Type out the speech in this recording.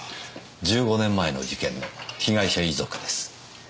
１５年前の事件の被害者遺族です。